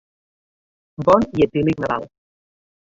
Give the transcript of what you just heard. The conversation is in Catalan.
Bon i etílic Nadal.